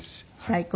最高。